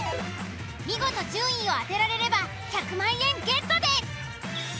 見事順位を当てられれば１００万円ゲットです！